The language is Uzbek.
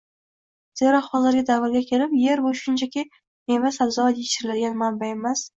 Zero, hozirgi davrga kelib yer bu shunchaki meva-sabzavot yetishtiriladigan manba emas